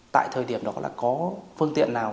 tại thời điểm đó là có phương tiện nào